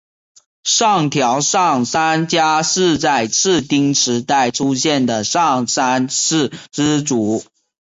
上条上杉家是在室町时代出现的上杉氏支族。